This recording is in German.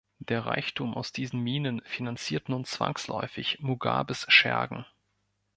Der Reichtum aus diesen Minen finanziert nun zwangsläufig Mugabes Schergen.